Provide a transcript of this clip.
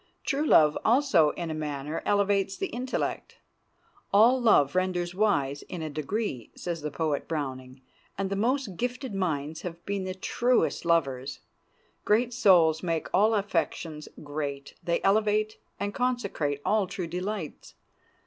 True love also in a manner elevates the intellect. "All love renders wise in a degree," says the poet Browning, and the most gifted minds have been the truest lovers. Great souls make all affections great; they elevate and consecrate all true delights.